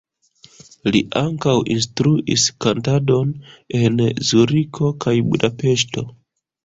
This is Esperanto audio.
Li ankaŭ instruis kantadon en Zuriko kaj Budapeŝto.